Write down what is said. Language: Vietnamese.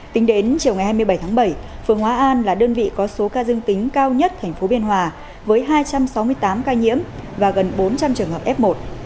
tính đến chiều ngày hai mươi bảy tháng bảy phường hóa an là đơn vị có số ca dương tính cao nhất tp biên hòa với hai trăm sáu mươi tám ca nhiễm và gần bốn trăm linh trường hợp f một